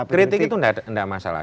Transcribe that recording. kritik itu enggak masalah